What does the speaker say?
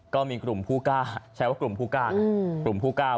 ก็มีกลุ่มผู้กล้าใช้ว่ากลุ่มผู้กล้า